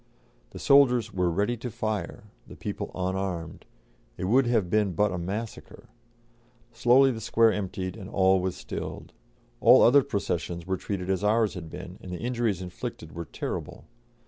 The soldiers were ready to fire, the people unarmed; it would have been but a massacre. Slowly the Square emptied and all was still. All other processions were treated as ours had been, and the injuries inflicted were terrible.